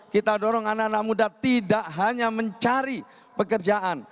kita dorong anak anak muda tidak hanya mencari pekerjaan